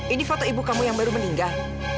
ini foto ibu kamu yang baru meninggal